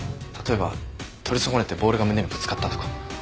例えば取り損ねてボールが胸にぶつかったとか。